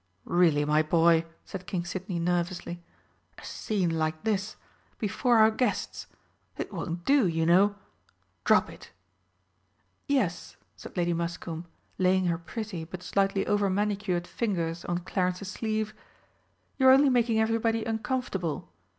"Really, my boy!" said King Sidney nervously. "A scene like this! Before our guests! It won't do, you know. Drop it!" "Yes," said Lady Muscombe, laying her pretty but slightly over manicured fingers on Clarence's sleeve. "You're only making everybody uncomfortable.